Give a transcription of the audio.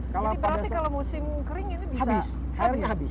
jadi berarti kalau musim kering ini bisa habis